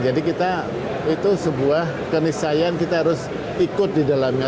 jadi kita itu sebuah kenisayan kita harus ikut di dalamnya